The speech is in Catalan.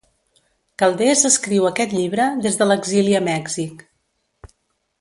Calders escriu aquest llibre des de l'exili a Mèxic.